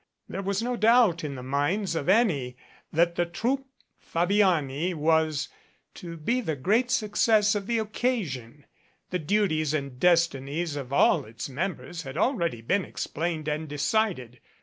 There was no doubt in the minds of any that the Troupe Fabiani was to be the great success of the occasion. The duties and destinies of all its members had already been explained and decided.